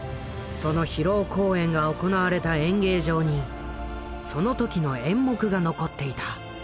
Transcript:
その披露公演が行われた演芸場にその時の演目が残っていた。